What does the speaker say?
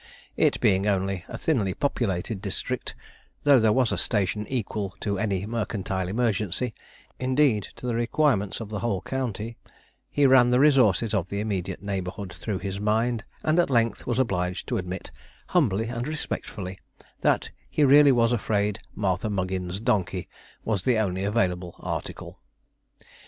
It being only a thinly populated district though there was a station equal to any mercantile emergency, indeed to the requirements of the whole county he ran the resources of the immediate neighbourhood through his mind, and at length was obliged to admit humbly and respectfully that he really was afraid Martha Muggins's donkey was the only available article.